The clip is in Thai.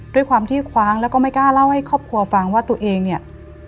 ด้วยความที่คว้างแล้วก็ไม่กล้าเล่าให้ครอบครัวฟังว่าตัวเองเนี่ย